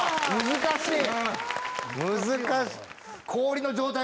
難しい。